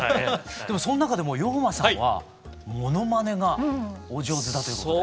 でもその中でもＹＯＭＡさんはものまねがお上手だということで。